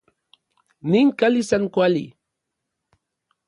Nin kali san kuali.